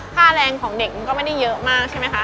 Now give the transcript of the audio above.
ค่าแรงของเด็กมันก็ไม่ได้เยอะมากใช่ไหมคะ